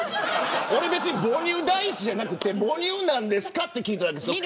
俺は別に母乳第一じゃなくて母乳なんですかと聞いただけですよ。